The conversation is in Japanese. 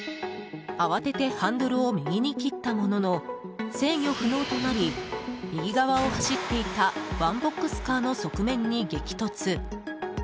慌ててハンドルを右に切ったものの制御不能となり右側を走っていたワンボックスカーの側面に激突。